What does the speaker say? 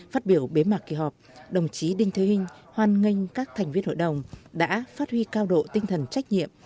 phát biểu bế mạc kỳ họp đồng chí đinh thế hinh hoan nghênh các thành viên hội đồng đã phát huy cao độ tinh thần trách nhiệm